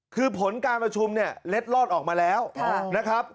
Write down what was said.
คือผลการประชุมเนี่ยเล็ดลอดออกมาแล้วนะครับ